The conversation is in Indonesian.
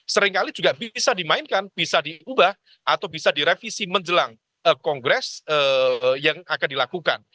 seringkali juga bisa dimainkan bisa diubah atau bisa direvisi menjelang kongres yang akan dilakukan